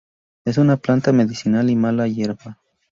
Es una planta medicinal y mala hierba.